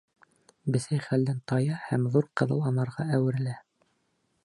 Бесәй хәлдән тая һәм ҙур ҡыҙыл анарға әүерелә.